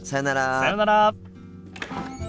さようなら。